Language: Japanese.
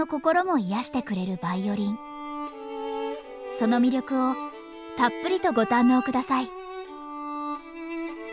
その魅力をたっぷりとご堪能下さい。